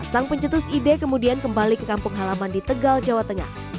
sang pencetus ide kemudian kembali ke kampung halaman di tegal jawa tengah